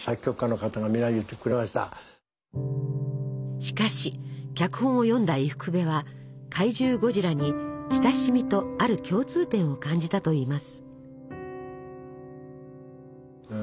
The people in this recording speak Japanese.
しかし脚本を読んだ伊福部は怪獣ゴジラに親しみとある共通点を感じたといいます。